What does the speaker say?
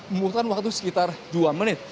membutuhkan waktu sekitar lima belas menit